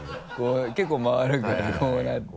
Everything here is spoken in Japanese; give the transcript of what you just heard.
結構回るからこうなって。